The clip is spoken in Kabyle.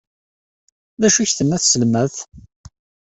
D acu ay ak-tenna tselmadt?